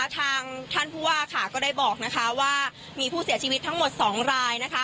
ทางท่านผู้ว่าค่ะก็ได้บอกว่ามีผู้เสียชีวิตทั้งหมด๒ราย